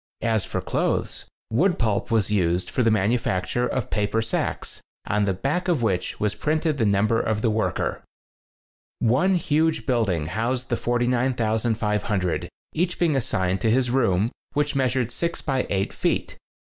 As for clothes, wood pulp was used for the manufacture of paper sacks, on the back of which was printed the number of the worker. One huge building housed the 49, 500, each being assigned to his room which measured six by eight feet.